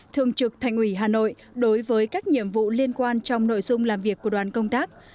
thường trực thành ủy hà nội đối với các nhiệm vụ liên quan trong nội dung làm việc của đoàn công tác